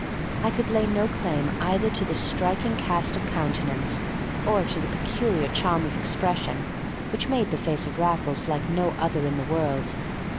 I could lay no claim either to the striking cast of countenance or to the peculiar charm of expression which made the face of Raffles like no other in the world.